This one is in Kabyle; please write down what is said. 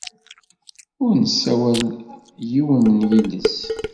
Ur nessawal yiwen n yiles.